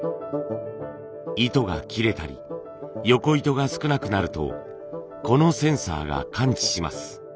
糸が切れたり横糸が少なくなるとこのセンサーが感知します。